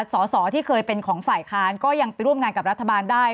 สอสอที่เคยเป็นของฝ่ายค้านก็ยังไปร่วมงานกับรัฐบาลได้